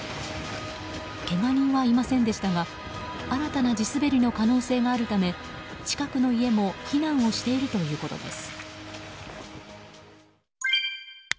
けが人はいませんでしたが新たな地滑りの可能性があるため近くの家も避難をしているということです。